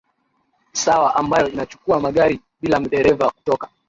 sawa ambayo inachukua magari bila dereva kutoka